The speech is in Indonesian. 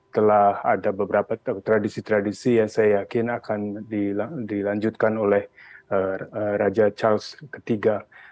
telah ada beberapa tradisi tradisi yang saya yakin akan dilanjutkan oleh raja charles iii